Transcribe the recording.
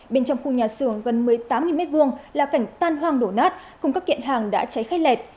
bên trong khu nhà xưởng gần một mươi tám m hai là cảnh tan hoang đổ nát cùng các kiện hàng đã cháy khách lẹt